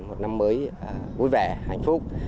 một năm mới vui vẻ hạnh phúc